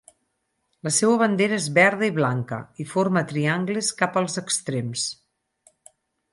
La seua bandera és verda i blanca, i forma triangles cap als extrems